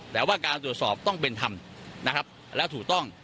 แต่ว่าการตรวจสอบต้องเป็นธรรมนะครับแล้วถูกต้อง